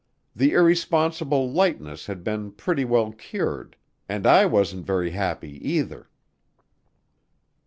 The irresponsible lightness had been pretty well cured ... and I wasn't very happy, either.